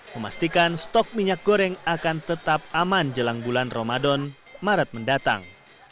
memastikan stok minyak goreng akan tetap aman jelang bulan ramadan maret mendatang